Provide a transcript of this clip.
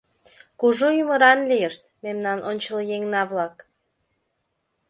Кужу ӱмыран лийышт мемнан ончылъеҥна-влак!